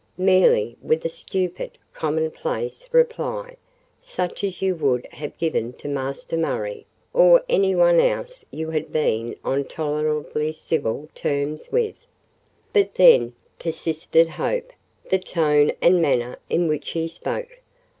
—Merely with a stupid, commonplace reply, such as you would have given to Master Murray, or anyone else you had been on tolerably civil terms with." "But, then," persisted Hope, "the tone and manner in which he spoke."